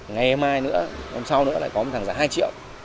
ngày mai nữa năm sau nữa lại có một hàng giả hai triệu